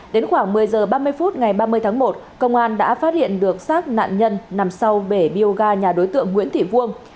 đến khoảng một mươi h ba mươi phút ngày ba mươi tháng một công an đã phát hiện được xác nạn nhân nằm sau bể bioga nhà đối tượng nguyễn thị vuông